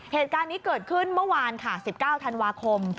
เหตุการณ์นี้เกิดขึ้นเมื่อวานค่ะ๑๙ธันวาคม